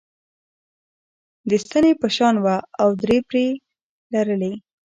د ستنې په شان وه او درې پرې یي لرلې.